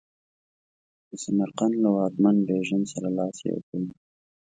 د سمرقند له واکمن بیژن سره لاس یو کوي.